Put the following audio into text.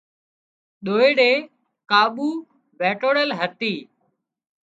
ۮوئيڙي ڪاٻو وينٽوۯل هتي